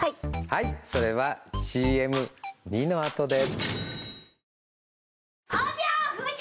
はいそれはＣＭ②のあとで！